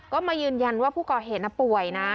ก็มายืนยันว่าผู้ก่อเหตุป่วยนะ